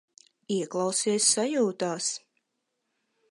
Ieklausies sajūtās.